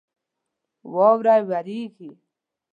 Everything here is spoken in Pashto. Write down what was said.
واوره وریږي